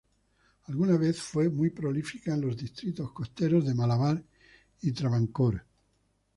Alguna vez fue muy prolífica en los distritos costeros de Malabar y Travancore.